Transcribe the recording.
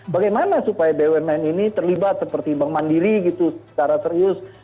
bagaimana supaya bumn ini terlibat seperti bank mandiri gitu secara serius